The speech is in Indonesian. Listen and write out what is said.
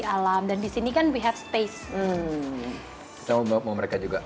alam dan disini kan we have space kita mau bawa mereka juga